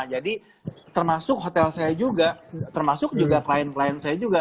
jadi termasuk hotel saya juga termasuk juga klien klien saya juga